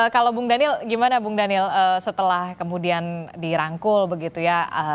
kalau bung daniel gimana bung daniel setelah kemudian dirangkul begitu ya